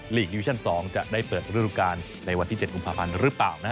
ลีกดิวิชั่น๒จะได้เปิดฤดูการในวันที่๗กุมภาพันธ์หรือเปล่า